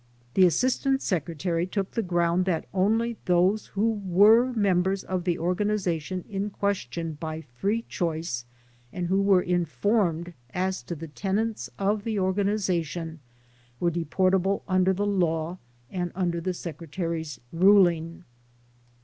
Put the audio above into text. The Assistant Secretary took the ground that only those who were members of the organization in question by free choice and who were informed as to the tenets of the organization, were deportable under the law and under the Secretary's ruling.